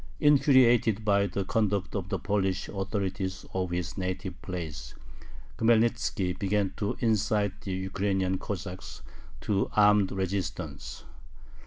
Infuriated by the conduct of the Polish authorities of his native place, Khmelnitzki began to incite the Ukrainian Cossacks to armed resistance.